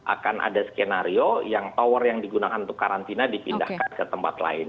akan ada skenario yang tower yang digunakan untuk karantina dipindahkan ke tempat lain